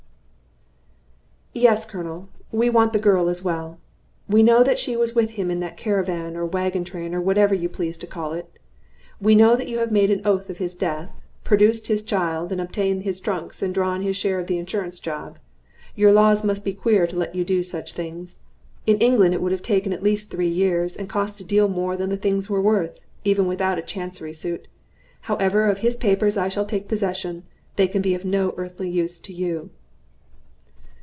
"Yes, Colonel; we want the girl as well. We know that she was with him in that caravan, or wagon train, or whatever you please to call it. We know that you have made oath of his death, produced his child, and obtained his trunks, and drawn his share in the insurance job. Your laws must be queer to let you do such things. In England it would have taken at least three years, and cost a deal more than the things were worth, even without a Chancery suit. However, of his papers I shall take possession; they can be of no earthly use to you."